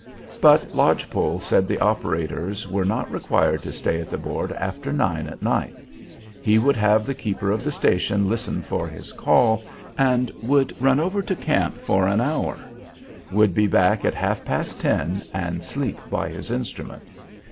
But "Lodge Pole" said the operators were not required to stay at the board after nine at night; he would have the keeper of the station listen for his call, and would run over to camp for an hour; would be back at half past ten and sleep by his instrument.